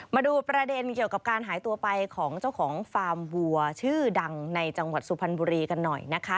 มาดูประเด็นเกี่ยวกับการหายตัวไปของเจ้าของฟาร์มวัวชื่อดังในจังหวัดสุพรรณบุรีกันหน่อยนะคะ